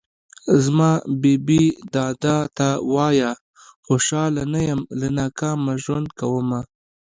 زما بې بې دادا ته وايه خوشحاله نه يم له ناکامه ژوند کومه